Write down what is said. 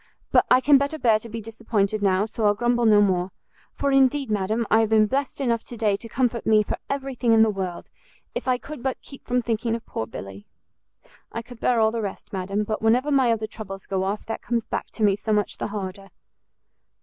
but I can better bear to be disappointed now, so I'll grumble no more; for indeed, madam, I have been blessed enough to day to comfort me for every thing in the world, if I could but keep from thinking of poor Billy! I could bear all the rest, madam, but whenever my other troubles go off, that comes back to me so much the harder!"